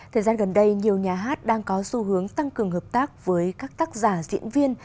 thời gian gần đây nhiều nhà hát đang có xu hướng tăng cường hợp tác với các tác giả diễn viên